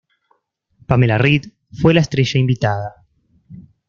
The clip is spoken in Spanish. Pamela Reed fue la estrella invitada.